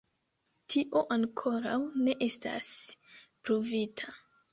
Tio ankoraŭ ne estas pruvita.